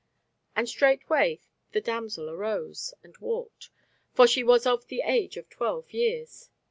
And straightway the damsel arose, and walked; for she was of the age of twelve years.